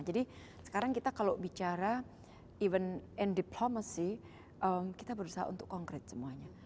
jadi sekarang kita kalau bicara bahkan dalam diploma kita berusaha untuk konkret semuanya